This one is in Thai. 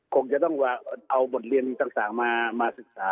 คงจะต้องเอาบทเรียนต่างมาศึกษา